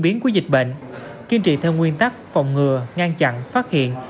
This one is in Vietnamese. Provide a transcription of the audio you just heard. biến của dịch bệnh kiên trì theo nguyên tắc phòng ngừa ngăn chặn phát hiện